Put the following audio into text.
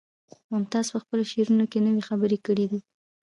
ممتاز په خپلو شعرونو کې نوې خبرې کړي دي